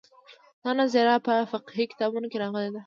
دا نظریه په فقهي کتابونو کې راغلې ده.